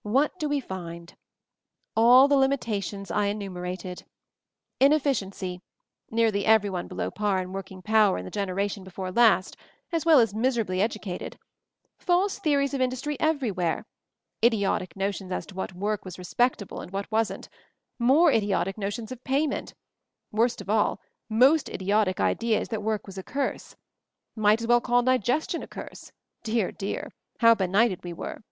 "What do we find? All the limitations I enumerated 1 Inefficiency — nearly every one below par in working power in the gen eration before last, as well as miserably edu cated ; false theories of industry everywhere — idiotic notions as to what work was 're spectable' and what wasn't, more idiotic no tions of payment ; worst of all, most idiotic ideas that work was a curse .•• Might as well call digestion a curse ! Dear I Dear ! How benighted we were